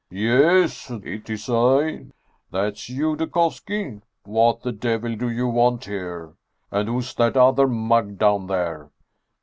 "Yes, it is I. That's you, Dukovski? What the devil do you want here ? And who's that other mug down there